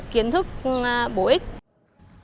kiến thức bổ ích